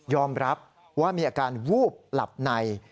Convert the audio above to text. รับว่ามีอาการวูบหลับใน